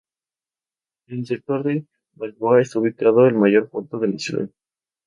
En el sector de Balboa está ubicado el mayor puerto de la ciudad.